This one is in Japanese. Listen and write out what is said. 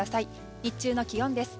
日中の気温です。